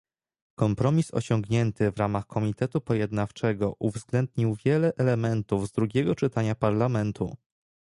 Kompromis osiągnięty w ramach komitetu pojednawczego uwzględnił wiele elementów z drugiego czytania Parlamentu